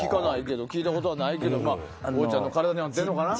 聞いたことはないけどＧＯちゃんの体に合ってんのかな。